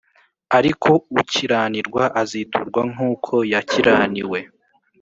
Ariko ukiranirwa aziturwa nk’uko yakiraniwe